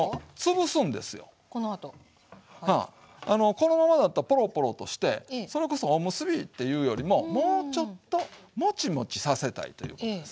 このままだとポロポロとしてそれこそおむすびっていうよりももうちょっとモチモチさせたいということですわ。